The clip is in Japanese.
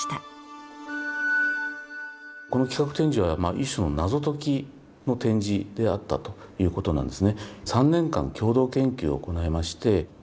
この企画展示は一種の謎解きの展示であったということなんですね。